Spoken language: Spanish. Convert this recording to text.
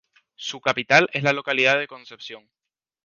Su capital es la localidad de Concepción.